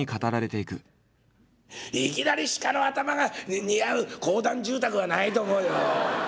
「いきなり鹿の頭が似合う公団住宅はないと思うよ。